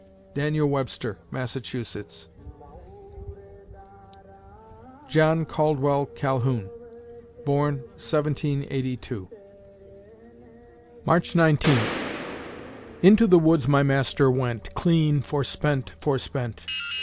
DANIEL WEBSTER (Massachusetts) John Caldwell Calhoun born, 1782 March Nineteenth Into the woods my Master went, Clean forspent, forspent.